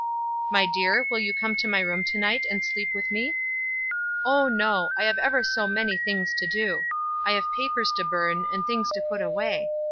"My dear, will you come to my room to night, and sleep with me?" "Oh, no. I have ever so many things to do. I have papers to burn, and things to put away.